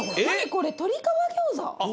これ鶏皮餃子？